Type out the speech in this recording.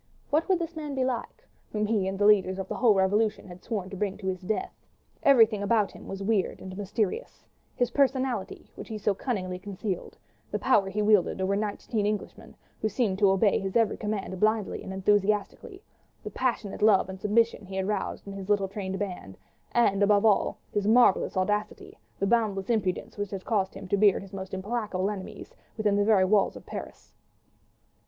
What would this man be like, whom he and the leaders of a whole revolution had sworn to bring to his death? Everything about him was weird and mysterious; his personality, which he had so cunningly concealed, the power he wielded over nineteen English gentlemen who seemed to obey his every command blindly and enthusiastically, the passionate love and submission he had roused in his little trained band, and, above all, his marvellous audacity, the boundless impudence which had caused him to beard his most implacable enemies, within the very walls of Paris.